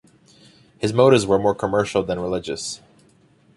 His motives were more commercial than religious.